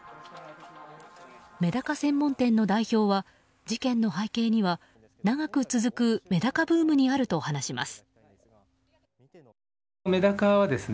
メダカ専門店の代表は事件の背景には長く続くメダカブームにあると話します。